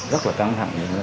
rất là căng thẳng